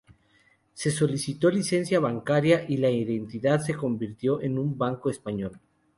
Se solicitó licencia bancaria y la entidad se convirtió en un banco español.